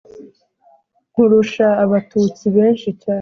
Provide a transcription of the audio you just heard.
Nkurusha Abatutsi benshi cyane